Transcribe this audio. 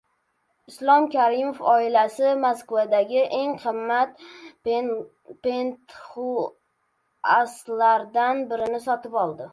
Islom Karimov oilasi Moskvadagi eng qimmat pentxauslardan birini sotib oldi